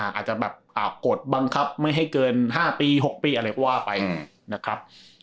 อาจจะแบบกดบังคับไม่ให้เกิน๕ปี๖ปีอะไรก็ว่าไปนะครับ